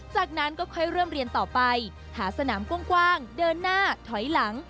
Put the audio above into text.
จากนั้นก็ค่อยเริ่มเรียนต่อไปหาสนามกว้างเดินหน้าถอยหลัง